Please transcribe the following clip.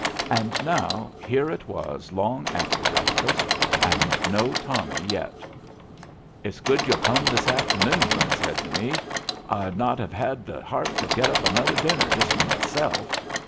And now here it was long after breakfast, and no Tommy yet. "It's good yu' come this forenoon," Lin said to me. "I'd not have had the heart to get up another dinner just for myself.